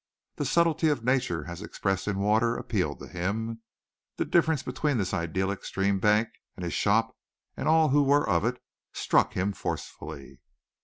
The subtlety of nature as expressed in water appealed to him. The difference between this idyllic stream bank and his shop and all who were of it, struck him forcefully.